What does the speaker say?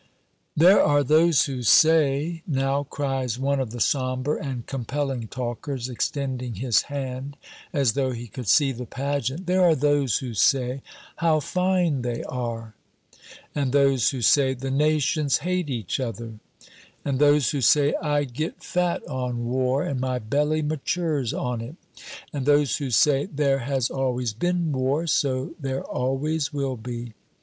"There are those who say," now cries one of the somber and compelling talkers, extending his hand as though he could see the pageant, "there are those who say, 'How fine they are!'" "And those who say, 'The nations hate each other!'" "And those who say, 'I get fat on war, and my belly matures on it!'" "And those who say, 'There has always been war, so there always will be!'"